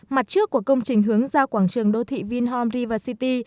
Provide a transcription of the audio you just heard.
mặt trước của công trình hướng ra quảng trường đô thị vingroup river city